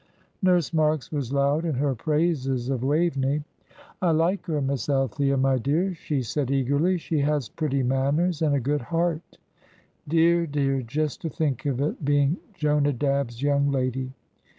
Nurse Marks was loud in her praises of Waveney. "I like her, Miss Althea, my dear," she said, eagerly. "She has pretty manners, and a good heart; dear, dear, just to think of it being Jonadab's young lady.